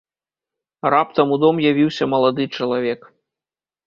Раптам у дом явіўся малады чалавек.